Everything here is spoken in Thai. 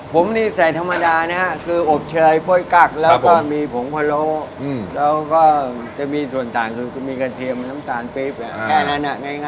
ผมนี่ใส่ธรรมดานะฮะคืออบเชยโป้ยกั๊กแล้วก็มีผงพะโลแล้วก็จะมีส่วนต่างคือมีกระเทียมน้ำตาลปริ๊บแค่นั้น